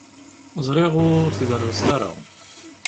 Ẓriɣ ur tgerrzeḍ ara.